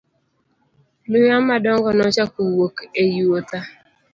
Luya madongo nochako wuok e yuotha.